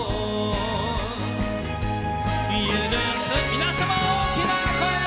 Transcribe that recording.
皆様大きな声で。